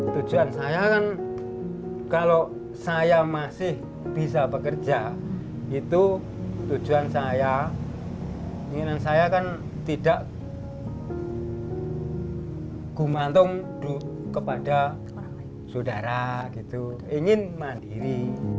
tujuan saya kan kalau saya masih bisa bekerja itu tujuan saya inginan saya kan tidak gumantung kepada saudara ingin mandiri